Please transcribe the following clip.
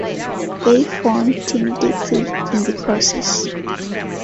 They formed "Team Dixie" in the process.